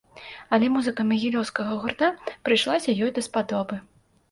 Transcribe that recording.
Але музыка магілёўскага гурта прыйшлася ёй даспадобы.